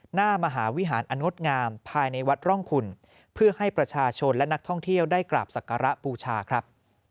หน้ามหาวินอนันงดงามภายในวัดร่องคุณเพื่อให้ประชาชนและนักท่องเที่ยวได้กราบศักระบูชาครับ